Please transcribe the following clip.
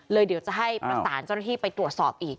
เดี๋ยวจะให้ประสานเจ้าหน้าที่ไปตรวจสอบอีก